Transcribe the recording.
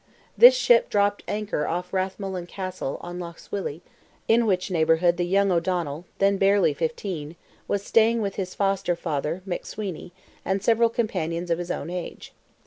This ship dropped anchor off Rathmullen Castle on Lough Swilly, in which neighbourhood the young O'Donnell—then barely fifteen—was staying with his foster father, McSweeny, and several companions of his own age.